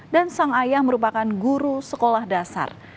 dan sang ayah merupakan guru sekolah dasar